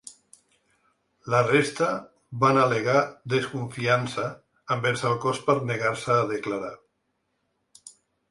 La resta van al·legar ‘desconfiança’ envers el cos per negar-se a declarar.